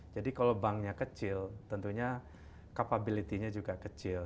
jadi kalau banknya kecil tentunya capability nya juga kecil